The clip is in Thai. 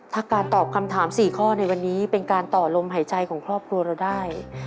ถ้าการตอบคำถาม๔ข้อในวันนี้เป็นการต่อลมหายใจของครอบครัวเราได้